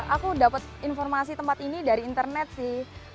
aku dapat informasi tempat ini dari internet sih